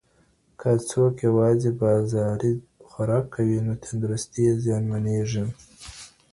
که څوک یوازې بازاري خوراک کوي نو تندرستي یې زیانمنېږي.